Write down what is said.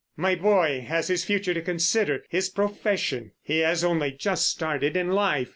"My boy has his future to consider, his profession. He has only just started in life.